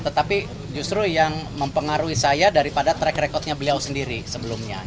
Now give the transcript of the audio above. tetapi justru yang mempengaruhi saya daripada track recordnya beliau sendiri sebelumnya